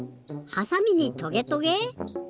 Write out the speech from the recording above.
はさみにトゲトゲ？